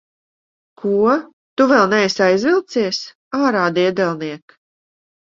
Ko? Tu vēl neesi aizvilcies? Ārā, diedelniek!